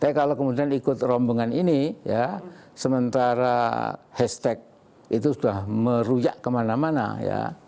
saya kalau kemudian ikut rombongan ini ya sementara hashtag itu sudah meruyak kemana mana ya